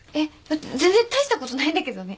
全然大したことないんだけどね。